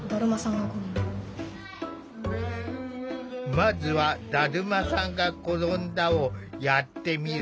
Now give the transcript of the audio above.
まずは「だるまさんがころんだ」をやってみる。